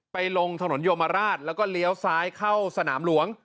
ลงถนนโยมราชแล้วก็เลี้ยวซ้ายเข้าสนามหลวง